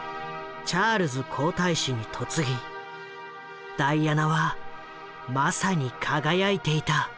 チャールズ皇太子に嫁ぎダイアナはまさに輝いていた。